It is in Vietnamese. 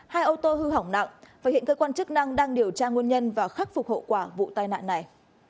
hai ô tô hư hỏng nặng và hiện cơ quan chức năng đang điều tra nguồn nhân và khắc phục hậu quả vụ tai nạn này